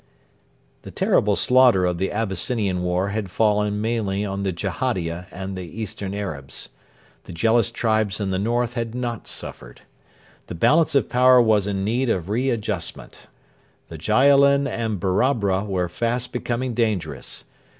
The terrible slaughter of the Abyssinian war had fallen mainly on the Jehadia and the eastern Arabs. The jealous tribes in the north had not suffered. The balance of power was in need of re adjustment. The Jaalin and Barabra were fast becoming dangerous.